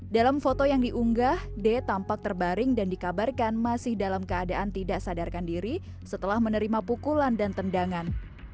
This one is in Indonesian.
dalam foto yang diunggah d tampak terbaring dan dikabarkan masih dalam keadaan tidak sadarkan diri setelah menerima pukulan dan tendangan